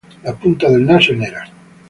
La punta del naso è nera.